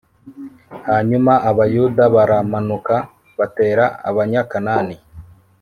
hanyuma abayuda baramanuka batera abanyakanani